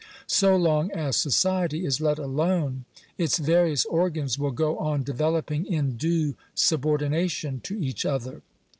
So long as society is let alone, ite various organs will go on developing in due subordination, to each other.